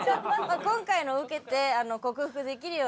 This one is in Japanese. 今回のを受けて克服できるように。